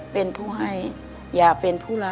เป็นผู้ให้อย่าเป็นผู้ร้าย